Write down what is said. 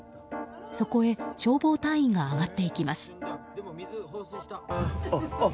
そこへ消防隊員が上がっていきます。